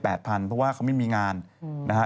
เพราะว่าเขาไม่มีงานนะฮะ